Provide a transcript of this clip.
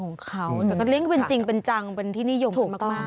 มันเรียกเป็นจริงเป็นจังเป็นที่นิยมมาก